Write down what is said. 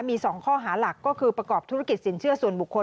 มี๒ข้อหาหลักก็คือประกอบธุรกิจสินเชื่อส่วนบุคคล